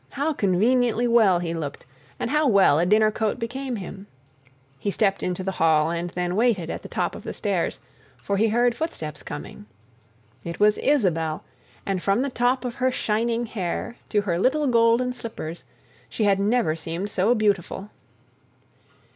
How conveniently well he looked, and how well a dinner coat became him. He stepped into the hall and then waited at the top of the stairs, for he heard footsteps coming. It was Isabelle, and from the top of her shining hair to her little golden slippers she had never seemed so beautiful.